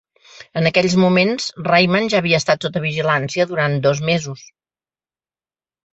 En aquells moments, Rayman ja havia estat sota vigilància durant dos mesos.